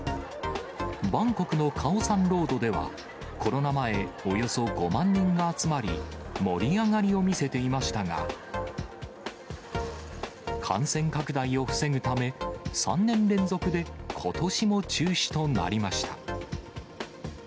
バンコクのカオサンロードでは、コロナ前、およそ５万人が集まり、盛り上がりを見せていましたが、感染拡大を防ぐため、３年連続でことしも中止となりました。